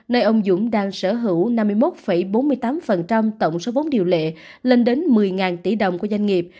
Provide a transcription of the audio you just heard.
nơi ông dũng đang sở hữu năm mươi một bốn mươi tám tổng số vốn điều lệ lên đến một mươi tỷ đồng của doanh nghiệp